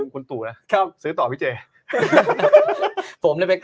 คุณตู่นะซื้อต่อพี่เจ